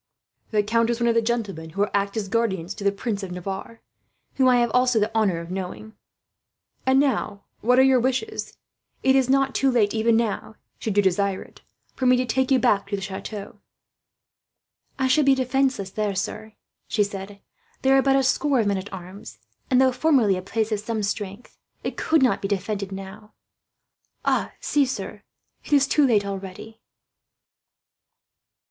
The count is one of the gentlemen who act as guardians to the Prince of Navarre, whom I have also the honour of knowing. "And now, what are your wishes? It is not too late even now, should you desire it, for me to take you back to the chateau." "I should be defenceless there, sir," she said. "There are but a score of men at arms and, though formerly a place of some strength, it could not be defended now. See, sir, it is too late already."